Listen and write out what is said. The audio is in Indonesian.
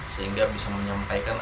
sehingga bisa menyampaikan